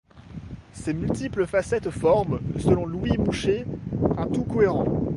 Ces multiples facettes forment, selon Louis Mouchet, un tout cohérent.